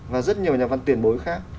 và rất nhiều nhà văn tuyển bối khác